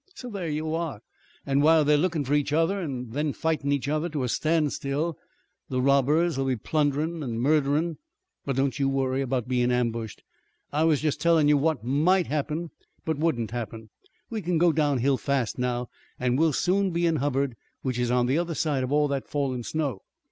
So there you are, an' while they're lookin' for each other an' then fightin' each other to a standstill, the robbers will be plunderin' an' murderin'. But don't you worry about bein' ambushed. I was jest tellin' you what might happen, but wouldn't happen. We kin go down hill fast now, and we'll soon be in Hubbard, which is the other side of all that fallin' snow."